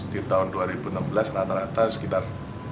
di tahun dua ribu enam belas rata rata sekitar